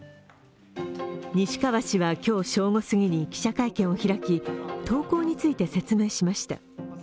西川氏は今日正午過ぎに記者会見を開き、投稿について説明しました。